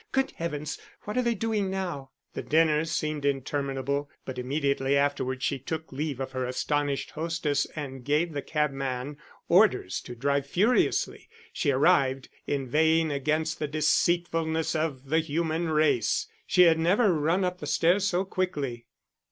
Good heavens, what are they doing now?" The dinner seemed interminable, but immediately afterwards she took leave of her astonished hostess and gave the cabman orders to drive furiously. She arrived, inveighing against the deceitfulness of the human race. She had never run up the stairs so quickly.